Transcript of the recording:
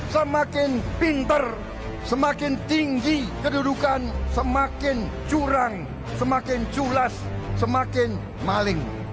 semakin pinter semakin tinggi kedudukan semakin curang semakin culas semakin maling